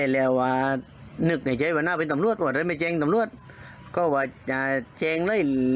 แล้วที่ยาเสพติดปล่อยจะร่วมกาจะยาเสพติด